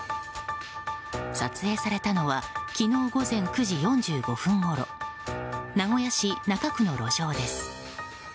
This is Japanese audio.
撮影されたのは昨日午前９時４５分ごろ名古屋市中区の路上です。